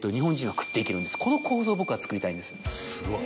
この構造を僕は作りたいんです。